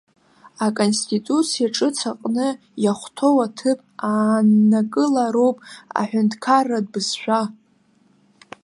Аконституциа ҿыц аҟны иахәҭоу аҭыԥ ааннакыла роуп аҳәынҭқарратә бызшәа.